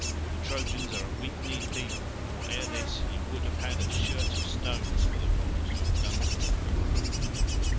The Trojans are a weak kneed people, or ere this you would have had a shirt of stones for the wrongs you have done them."